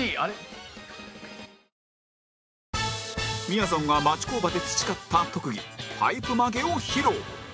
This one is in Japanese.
みやぞんが町工場で培った特技パイプ曲げを披露